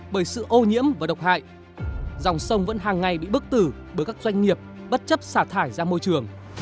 bởi sự ô nhiễm và độc hại dòng sông vẫn hàng ngày bị bức tử bởi các doanh nghiệp bất chấp xả thải ra môi trường